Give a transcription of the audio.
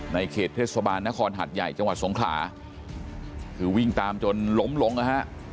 เขตเทศบาลนครหัดใหญ่จังหวัดสงขลาคือวิ่งตามจนล้มลงนะฮะ